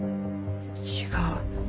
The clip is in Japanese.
違う。